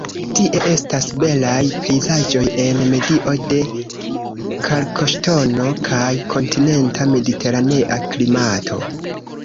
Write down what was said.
Tie estas belaj pejzaĝoj en medio de kalkoŝtono kaj kontinenta-mediteranea klimato.